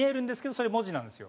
それ文字なんですよ。